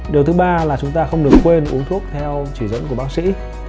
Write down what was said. điều thứ ba là chúng ta không được quên uống thuốc theo chỉ dẫn của bác sĩ